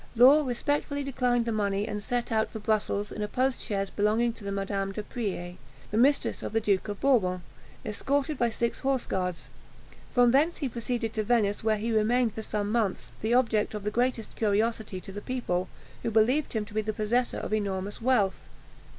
Law respectfully declined the money, and set out for Brussels in a post chaise belonging to Madame de Prie, the mistress of the Duke of Bourbon, escorted by six horse guards. From thence he proceeded to Venice, where he remained for some months, the object of the greatest curiosity to the people, who believed him to be the possessor of enormous wealth.